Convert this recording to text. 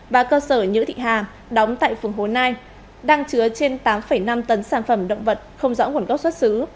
và cơ sở nhữ thị hà đóng tại phường hồ nai đang chứa trên tám năm tấn sản phẩm động vật không rõ nguồn gốc xuất xứ